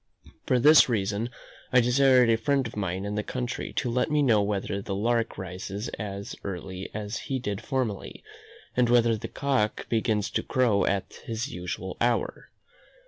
For this reason, I desired a friend of mine in the country to let me know whether the lark rises as early as he did formerly; and whether the cock begins to crow at his usual hour?